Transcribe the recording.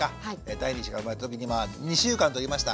第２子が生まれた時に２週間とりました。